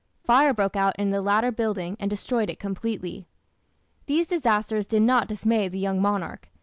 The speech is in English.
Fire broke out in the latter building and destroyed it completely. These disasters did not dismay the young monarch.